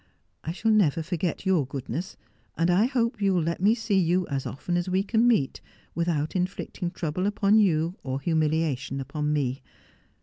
I shall never forget your goodness, and I hope you will let me see you as often as we can meet without inflicting trouble upon you or humiliation upon me.